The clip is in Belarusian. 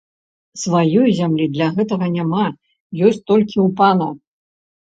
Сваёй зямлі для гэтага няма, ёсць толькі ў пана.